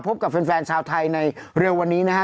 พบกับแฟนชาวไทยในเร็ววันนี้นะฮะ